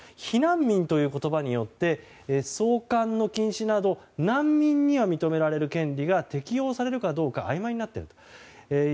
避難民という言葉によって送還の禁止など難民には認められる権利が適用されるかどうかあいまいになっている。